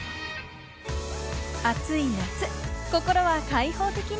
暑い夏、心は開放的に。